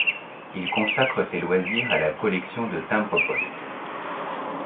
Il consacre ses loisirs à la collection de timbres-poste.